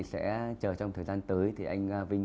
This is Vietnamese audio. sẽ chờ trong thời gian tới thì anh vinh